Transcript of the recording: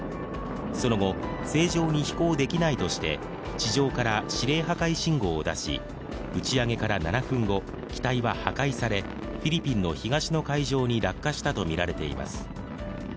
その後、正常に飛行できないとして地上から指令破壊信号を出し打ち上げから７分後、機体は破壊されフィリピンの東の海上に落下したとみられています。